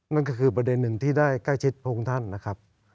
นั่นก็คือประเด็นหนึ่งที่ได้ใกล้ชิดพระองค์ท่านนะครับ